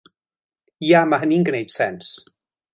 Ia ma' hynny'n gwneud sens.